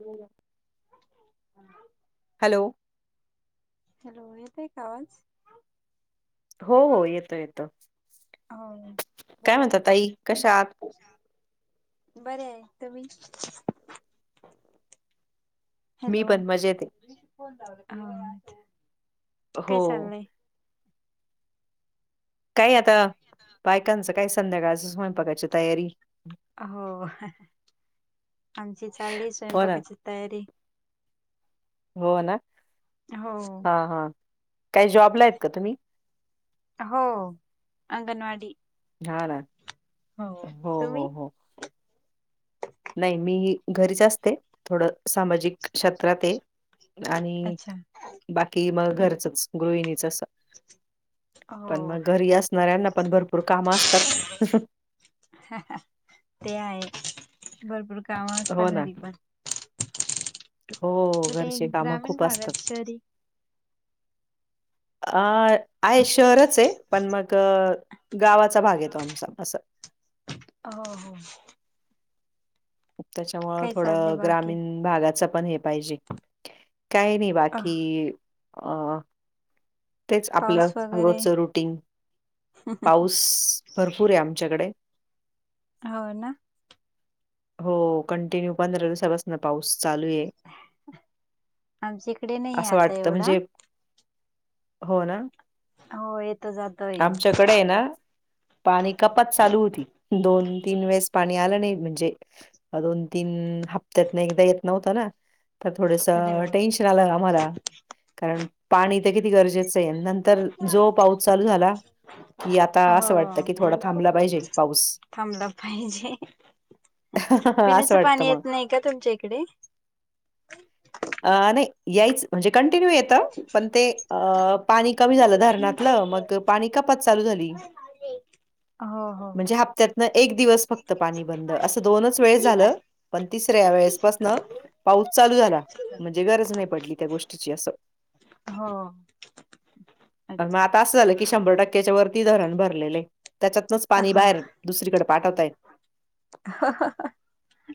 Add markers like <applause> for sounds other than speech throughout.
होय. हम् <inaudible> हॅलो, येत आहे का आवाज? हो हो येतो येतो, हो. काय बोला म्हणता ना ताई कशा आहात? बरे आहे, तुम्ही? मी हॅलो, पण मजेत आहे काय हो चाललंय? काय आता बायकांचं काय संध्याकाळच स्वयंपाकाची तयारी. हो आमची चालली हो ना स्वयंपाकाची तयारी. हो ना हो हा हा काही जॉबला आहेत का तुम्ही! हो अंगणवाडी. हा ना. हो, तुम्ही? हो हो नाही मी घरीच असते. थोडं सामाजिक क्षेत्रात आहे आणि अच्छा बाकी बाकी मग घरचच गृहिणीच अस. पण हो मग घरी असणाऱ्यांना पण भरपूर काम असतात. ते आहे भरपूर काम हो असतात ना घरी पण. हो कुठे घरचे कामं ग्रामीण खूप असतात भागात शहरी? अ आहे शहरच आहे पण मग गावाचा भाग येतो आमचा असं. ह हो. त्याच्यामुळं काय चाललंय थोडं बाकी? ग्रामीण भागाच पण हे पाहिजे काही नाही अ बाकी अ तेच आपलं पाऊस वगैरे रोजच रुटीन पाऊस भरपूर आहे आमच्याकडे. हो ना. हो कंटिन्यू पंधरा दिवसा पासुन पाऊस चालू आहे आमच्या इकडे नाही असं आता वाटत एवढा म्हणजे हो ना. हो येतो, जात आमच्याकडे आहे ना पाणी कपात चालू होती दोन, तीन वेळेस पाणी आलं नाही म्हणजे दोन, तीन हप्त्यातन एकदा येत नव्हता ना. तर थोडस अरे टेन्शन आलं आम्हाला कारण पाणी तर किती गरजेच नंतर जो पाऊस बाप. चालू झाला. कि आता असं वाटतं हो की थोडा थांबला पाहिजे पाऊस. थांबला पाहिजे असं पिण्याचं वाटतं पाणी मग येत नाही का तुमच्या इकडे? अ नाही यायच म्हणजे कंटिन्यू येतं पण ते अ पाणी कमी झालं धरणातलं मग पाणी कपात चालू झाली. हो. हो म्हणजे हप्त्यातन एक दिवस फक्त पाणी बंद असं दोनच वेळेस झालं. पण तिसऱ्या वेळेसपासन पाऊस चालू झाला म्हणजे गरज नाही पडली त्या गोष्टीची अस हो अच्छा अस झालं की शंभर टक्क्याच्या वरती धरण भरलेले आहे त्याच्यात्नच पाणी हो बाहेर दुसरीकडे पाठत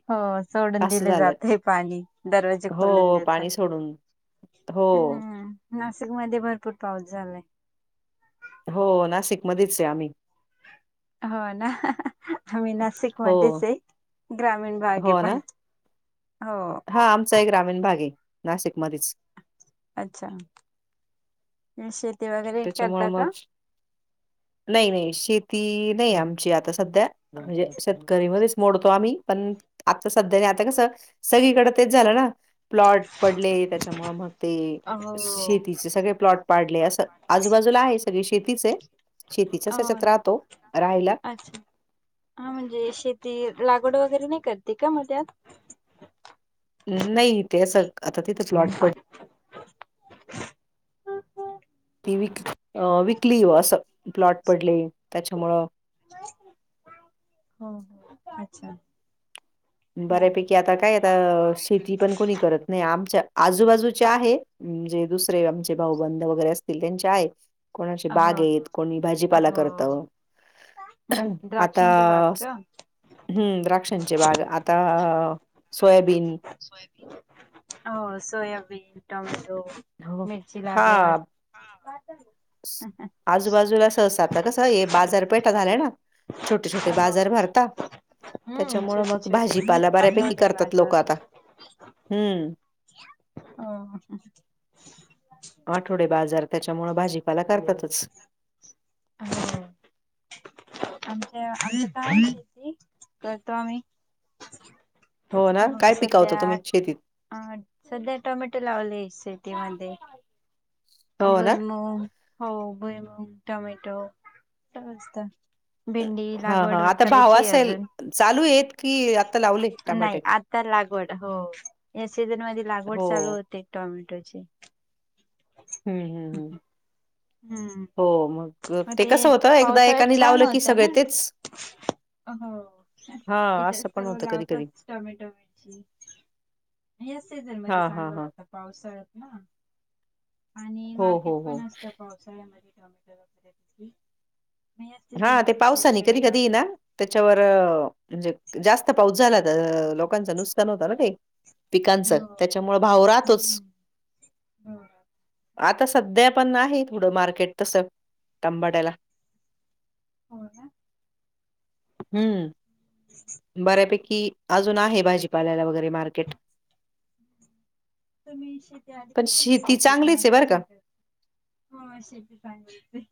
हो सोडून असं दिले झालं. जाते पाणी दरवाजे हो, खोलून देतात पाणी सोडून. हो, हम् नाशिक मध्ये भरपूर पाऊस झालाय हो नाशिक मधेच आहे आम्ही हो ना आम्ही हो, नाशिकमध्येच आहे ग्रामीण भाग आहे पण हो हा आमचा ही ग्रामीण भाग आहे नाशिकमध्येच अच्छा शेती वगैरे त्याच्यामुळ करता का मग नाही नाही शेती नाही आमची आता सध्या म्हणजे शेतकरीमध्येच मोडतो आम्ही पण आता सध्या नाही आता कस सगळीकडे तेच झालं ना प्लॉट पडले त्याच्यामुळे मग ते हो हो शेतीचे सगळे प्लॉट पाडले असं आजूबाजूला आहे सगळी शेतीच आहे शेतीच्या याच्यात ना राहतो राहायला अच्छा हा म्हणजे शेती लागवड वगैरे नाही करते का मग त्यात नाही ते असं आता तिथे प्लॉट पडले ती विक विकली असं प्लॉट पडले त्याच्यामुळं ह हा अच्छा बरं. बऱ्यापैकी आता काय शेती पण कोणी करत नाही आमच्या आजूबाजूच्या आहे म्हणजे दुसरे आमचे भाऊबंध वगैरे असतील त्यांचे आहे कोणाची हा बाग आहे हा कोणी भाजीपाला करत हो आता द्राक्षांचे बाग का? हम्म द्राक्षांचे बाग आता आ सोयाबीन हो सोयाबीन टमॅटो हो मिरची हा. लागवड हा आजूबाजूला सहसा आता कस हे बाजारपेठा झाल्या ना छोटे छोटे हो बाजार भरता हम्म त्याच्यामुळं छोटे मग छोटे भाजीपाला बऱ्यापैकी आठवडे करतात बाजार लोक आता हम्म ह आठवडे बाजार त्यांच्यामुळे भाजीपाला करतात हो आमच्या आता आहे शेती करतो आम्ही हो ना काय पिकवता तुम्ही शेतीत आ सध्या टोमॅटो लावले शेतीमध्ये हो ना? भुईमूग हो भुईमूग टोमॅटो असंच असत भेंडी हां, हां. लागवड आता भाव करायची आहे असेल अजून चालू आहेत की आता लावले टमाटे? नाही आत तर लागवड हो या सीझन मध्ये लागवड चालू हो. होते टोमॅटोची हं, हं, हम् हं. हम हम्म हो, अ, मग ते कसं होतं एकदा पावसाळ्यात एकाने छान लावलं की होतं सगळे ना तेच हो हां, इथे असं पण सर्व होतं कधी-कधी. लावतात टोमॅटो या सीझन मध्ये हां, हां, चांगलं हां. होतं पावसाळ्यात ना आणि हो, मार्केट हो, हो. पण असतं पावसाळ्यामध्ये टोमॅटो वगैरे मग या सीझन हा ते मध्ये पावसानी कधी, शेतकरी कधी ये ना लावतात त्याच्यावर म्हणजे, जास्त पाऊस झाला तर लोकांच नुसकान होत ना ते. पिकांच हो त्याच्यामुळ भाव राहतोच. हम्म हो आता सध्या पण आहे थोडं मार्केट तसं टमॅट्याला. हो ना? हम्म. <inaudible> बऱ्यापैकी अजून आहे भाजीपाल्याला वगैरे मार्केट. तुम्ही शेती पण आधीपासून शेती नाही <unintelligible> तिथ चांगलीच आहे बरं आता नाही का. <unintelligible>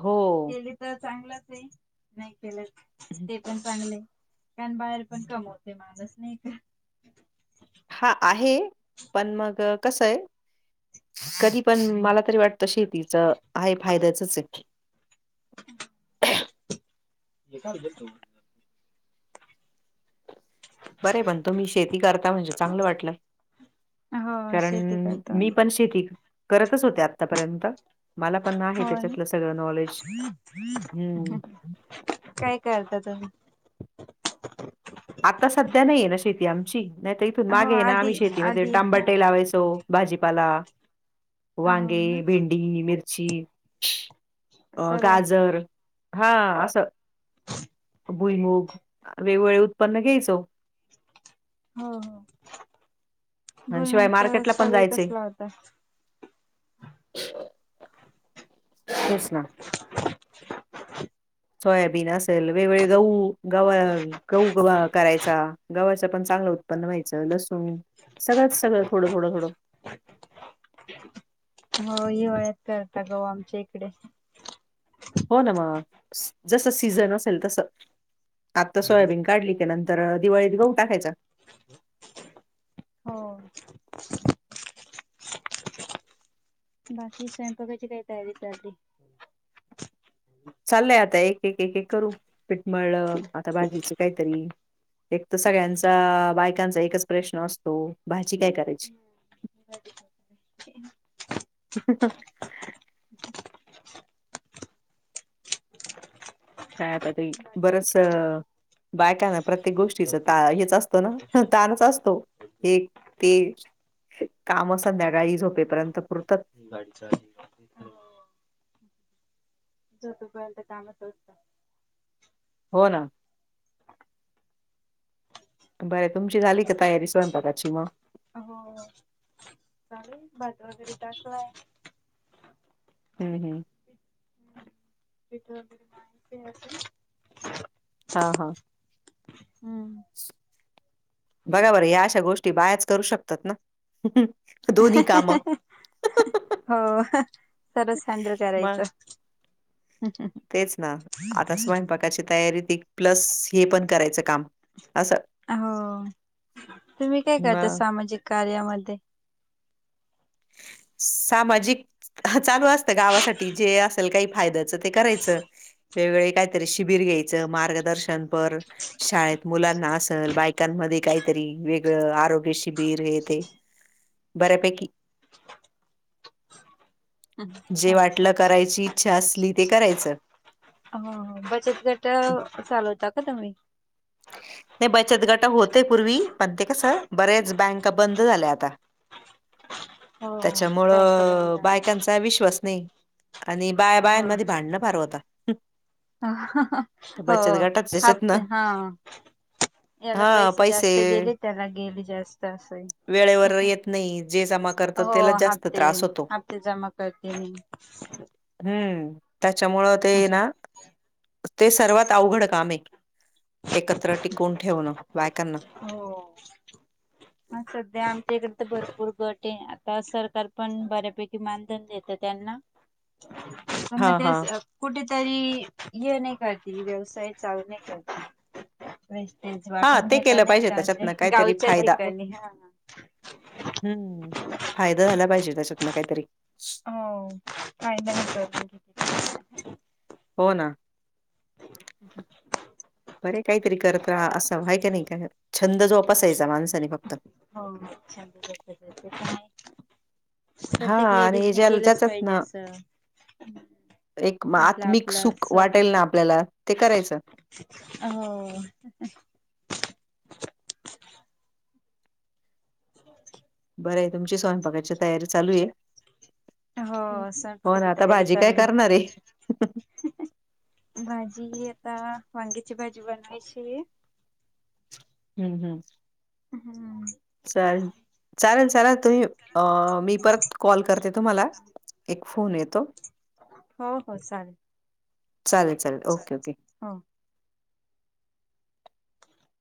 हो. केली तर चांगलंच आहे, नाही केली ते पण चांगलं आहे. कारण, बाहेर पण कमवते माणूस नाही का? हा आहे, पण मग कसंय कधी पण मला तरी वाटतं शेतीचं आहे, फायद्याचच आहे. <inaudible> बरय पण, तुम्ही शेती करता, म्हणजे चांगलं वाटलं. हो कारण, शेती करतो मी आम्ही. पण शेती करतच होते आतापर्यंत. मला पण आहे हो ना, त्याच्यातलं सगळं नॉलेज. हम्म. काय करता तुम्ही? आता सध्या नाही आहे ना शेती आमची, नाहीत हो मागे आहे ना, आम्ही आधी शेतीमध्ये आधी हा. टम्बाटे लावायचो भाजीपाला. हो वांगे, ना भेंडी, मिरची अ सर्व गाजर हा असं भुईमग वेगवेगळे उत्पन्न घ्यायचो. हो, हो, आणि बोल शिवाय मार्केटला पण जायचे. मग <unintelligible> <inaudible> तेच ना. सोयाबीन असेल, वेगवेगळे गहू गवा गहू गवा करायचा, गव्हाच पण चांगलं उत्पन्न व्हायचं, लसू न सगळंच सगळं थोडं, थोडं, थोडं. हो <unintelligible> करता गहू आमच्या इकडे. हो ना मग, जस सीझन असेल तस आता सोयाबीन काढली त्या नंतर दिवाळीत गहू टाकायचा. हो. बाकी स्वयंपाकाची काय तयारी चालूय? चाललंय आता एक एक, एक एक करू, पिट मळल, आता भाजीच काहीतरी. एक तर सगळ्यांचा बायकांचा एकच प्रश्न असतो, भाजी काय करायची? <inaudible> काय आता ते बरस बायकांना प्रत्येक गोष्टीच ता हेच असतो ना, ताणच असतो. हे ते काम संध्याकाळी झोपेपर्यंत पुरतात. गाडी चा <unintelligible> झोपेपर्यंत कामच असतं. हो ना. बरं, तुमची झाली का तयारी स्वयंपाकाची मग? अहो <unintelligible> भात वगैरे तासो हाय. हम्म हम्म. पिठलं बी नाय पियायचं. हा हा. हम्म. बरोबर आहे या अशा गोष्टी बायाच करू शकतात ना. दोन्ही कामं. हो सर्वच हँडल मग. करायचं. तेच ना आता स्वयंपाकाची तयारी ती प्लस हे पण करायचं काम. असं. हो तुम्ही काय करते मग. सामाजिक कार्यामध्ये? सामाजिक चालू असतं गावासाठी जे असेल काही फायद्याचं ते करायचं वेगवेगळे काय तरी शिबिर घ्यायच मार्गदर्शनपर शाळेत मुलांना असल बाय कान मध्ये काहीतरी वेगळ आरोग्य शिबिर हे ते बऱ्यापैकी जे अच्छा वाटलं करायची इच्छा असली ते करायचं. हो हो बचत गटा चालवता का तुम्ही? नाही बचत गटा होतय पूर्वी पण ते कसं बरेच बँका बंद झाल्या आता. हो हो बँक बंद त्याच्यामुळं झाल्या. बायकांच त्या विश्वास नाही आणि बाया हो बायांमध्ये भांडणं फार होता. हो बचत गटात त्याच्यात हाफते ना हा. याला पैसे जास्त गेले त्याला गेले जास्त असं वेळेवर आहे. येत नाही जे जमा करतात हो त्याला जास्त हाप्तेन त्रास होतो. हाप्ते जमा करते मी. हम्म त्याच्यामुळं ते ना ते सर्वात अवघड काम आहे. एकत्र टिकून ठेवणं बायकां. हो. हा सध्या आमच्या इकडे तर भरपूर गट आहे आता सरकार पण बऱ्यापैकी मानधन देतं त्यांना पण हा म हा. तेच अ कुठेतरी ये नाही करतील व्यवसाय चालू नाही करतील. वेस्टेज हा वाटून ते घेता केलं नाही पाहिजे का त्याच्यातनं गावच्या काहीतरी गावच्या फायदा ठिकाणी हा. हम्म फायदा झाला पाहिजे त्याच्यातनं काहीतरी. हो फायदा <unintelligible> काहीतरी. हो ना. <unintelligible> बरे काहीतरी करत राहा असंय व्हाय क नाही काय <unintelligible> छंद जोपसायचा माणसाने फक्त. हो छंद जोपासायचा ते पण आहे. हा प्रत्येक आणि लेडीजनी ज्या केलंच ज्याच्यात पाहिजे ना असं हम्म. एक म आत्मिक सुख वाटेल ना आपल्याला ते करायचं. हो. <unintelligible> बरं आहे तुमची स्वयंपाकाची तयारी चालू आहे? हो हो स्वयंपाकाची ना आता तयारी भाजी काय चालली करणार आहे? भाजी आता वांग्याची भाजी बनवायची आहे. हम्म हम्म. हम्म. चाल, चालेल चाला तुम्ही अ मी परत कॉल करते तुम्हाला. एक फोन येतो. हो हो चालेल. चालेल, चालेल, ओके, ओके. हां.